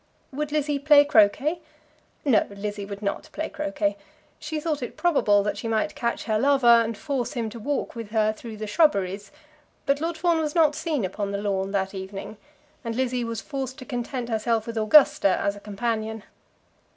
Would Lizzie play croquet? No; Lizzie would not play croquet. She thought it probable that she might catch her lover and force him to walk with her through the shrubberies; but Lord Fawn was not seen upon the lawn that evening, and Lizzie was forced to content herself with Augusta as a companion.